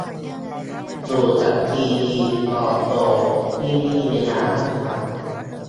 อยู่กับซีดีกองโตที่ไม่มีเวลานั่งฟัง